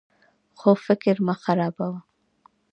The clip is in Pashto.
خو فکر مه خرابوه.